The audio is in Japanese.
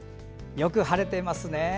よく晴れていますね。